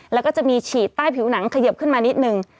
แล้วก็จะมีฉีดใต้ผิวหนังเขยิบขึ้นมานิดนึง